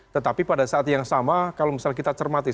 tetapi pada saat yang sama kalau misalnya kita cermati